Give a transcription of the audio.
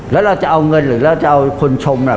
แล้วเราจะเอาเงินหรือเราจะเอาคนชมน่ะ